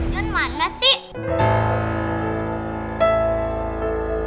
john mana sih